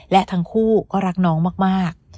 และทั้งคู่ก็รักน้องมาก